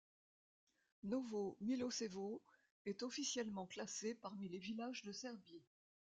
Novo Miloševo est officiellement classé parmi les villages de Serbie.